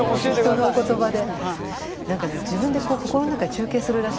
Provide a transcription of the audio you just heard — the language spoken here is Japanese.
人のお言葉で。